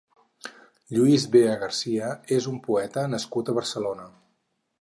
Luis Vea García és un poeta nascut a Barcelona.